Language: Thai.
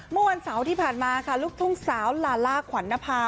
เมื่อวันเสาร์ที่ผ่านมาค่ะลูกทุ่งสาวลาล่าขวัญนภา